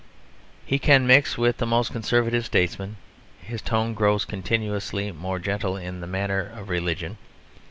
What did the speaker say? He can mix with the most conservative statesmen; his tone grows continuously more gentle in the matter of religion.